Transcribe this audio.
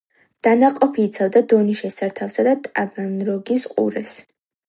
დანაყოფი იცავდა დონის შესართავსა და ტაგანროგის ყურეს.